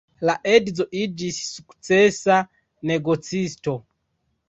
La edzo iĝis sukcesa negocisto.